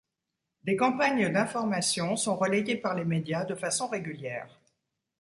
Des campagnes d'information sont relayées par les médias de façon régulière.